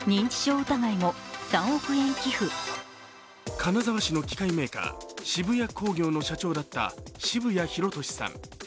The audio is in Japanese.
金沢市の機械メーカー、澁谷工業の社長だった澁谷弘利さん。